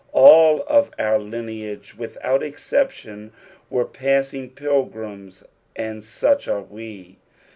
All of our lineage, without exception, were passing pilgrims, and such are we.